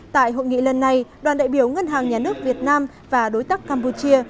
tại hội nghị lần này đoàn đại biểu ngân hàng nhà nước việt nam và đối tác campuchia